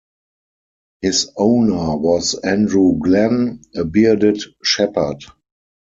His 'owner' was Andrew Glen, a bearded shepherd.